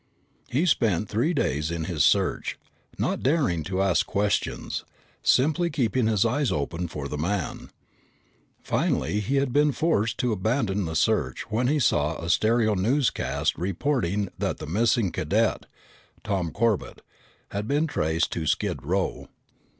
He spent three days in his search, not daring to ask questions, simply keeping his eyes open for the man. Finally he had been forced to abandon the search when he saw a stereo newscast reporting that the missing cadet, Tom Corbett, had been traced to Skid Row.